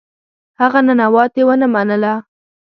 هغه ننواتې ونه منله.